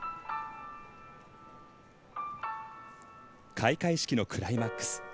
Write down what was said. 開会式のクライマックス。